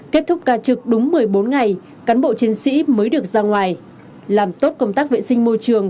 kết thúc ca trực đúng một mươi bốn ngày cán bộ chiến sĩ mới được ra ngoài làm tốt công tác vệ sinh môi trường